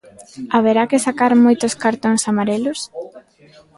Haberá que sacar moitos cartóns amarelos?